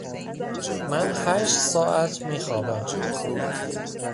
من هشت ساعت می خوابم